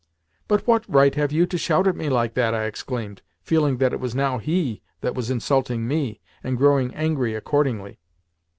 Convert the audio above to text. "But what right have you to shout at me like that?" I exclaimed, feeling that it was now HE that was insulting ME, and growing angry accordingly.